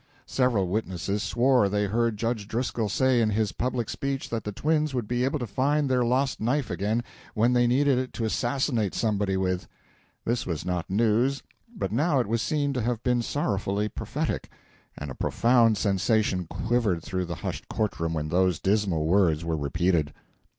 Several witnesses swore they heard Judge Driscoll say in his public speech that the twins would be able to find their lost knife again when they needed it to assassinate somebody with. This was not news, but now it was seen to have been sorrowfully prophetic, and a profound sensation quivered through the hushed court room when those dismal words were repeated.